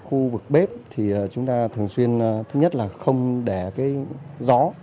khu vực bếp thì chúng ta thường xuyên thứ nhất là không để cái gió